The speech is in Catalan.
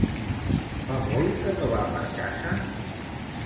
Fa molt que no va per casa?